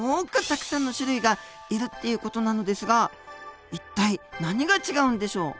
たくさんの種類がいるっていう事なのですが一体何が違うんでしょう？